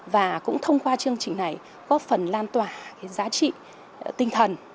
và cũng thông qua chương trình này có phần lan tỏa giá trị tinh thần